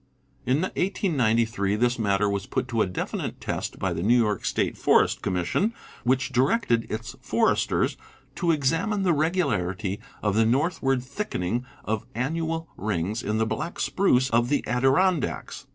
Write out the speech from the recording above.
In 1893 this matter was put to a definite test by the New York State Forest Commission, which directed its foresters to ex amine the regularity of the northward thickening of annual rings in the black spruce of the Adirondacks.